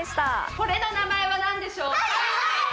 これの名前は何でしょうか？